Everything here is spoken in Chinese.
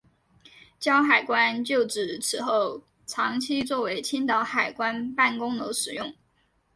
胶海关旧址此后长期作为青岛海关办公楼使用。